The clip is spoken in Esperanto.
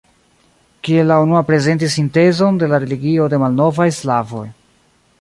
Kiel la unua prezentis sintezon de la religio de malnovaj slavoj.